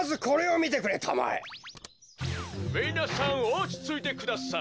「みなさんおちついてください。